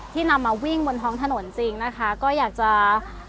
นำมาวิ่งบนท้องถนนจริงนะคะก็อยากจะ